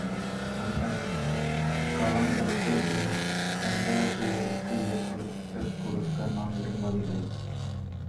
அந்தக் களங்கத்தை என் சந்ததியாருக்கு ஏற்படுத்திக் கொடுக்க நான் விரும்பவில்லை.